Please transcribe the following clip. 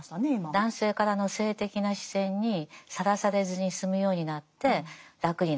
男性からの性的な視線にさらされずに済むようになって楽になった。